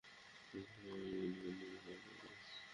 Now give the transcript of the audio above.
এর মানে হচ্ছে মহাপ্রলয়।